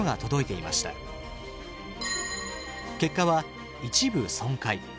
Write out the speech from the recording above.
結果は「一部損壊」。